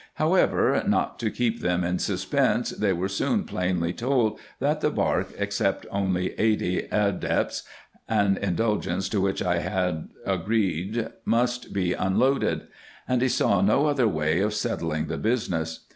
However, not to keep them in suspense, they were soon plainly told, that the bark, except only eighty ardeps, an indulgence to winch I had agreed, must be unloaded ; and he saw no other way of settling the business.